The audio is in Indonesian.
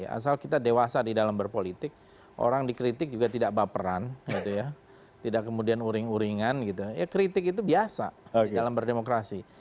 asal kita dewasa di dalam berpolitik orang dikritik juga tidak baperan tidak kemudian uring uringan gitu ya kritik itu biasa dalam berdemokrasi